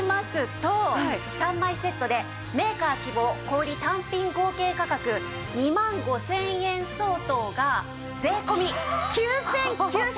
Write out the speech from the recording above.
３枚セットでメーカー希望小売単品合計価格２万５０００円相当が税込９９８０円です。